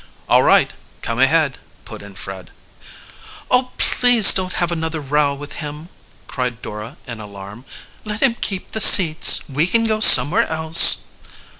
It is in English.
"All right, come ahead," put in Fred. "Oh, please don't have another row with him!" cried Dora in alarm. "Let him keep the seats. We can go somewhere else."